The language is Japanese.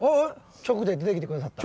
直で出てきて下さった。